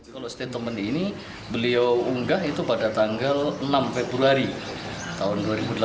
kalau statement ini beliau unggah itu pada tanggal enam februari tahun dua ribu delapan belas